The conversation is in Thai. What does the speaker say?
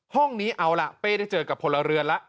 ห้องนี้เอาล่ะเป้ได้เจอกับพลเรือนแล้ว